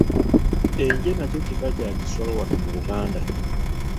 Enje nakyo kika kya kisolo wano mu Buganda.